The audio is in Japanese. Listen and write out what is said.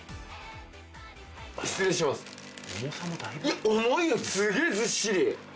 いや重いよすげぇずっしり！